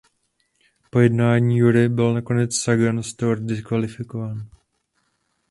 Po jednání jury byl nakonec Sagan z Tour diskvalifikován.